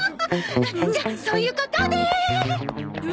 じゃあそういうことで。